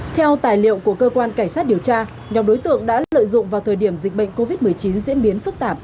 theo tài liệu của cơ quan cảnh sát điều tra nhóm đối tượng đã lợi dụng vào thời điểm dịch bệnh covid một mươi chín diễn biến phức tạp